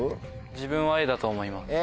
自分はＡだと思います。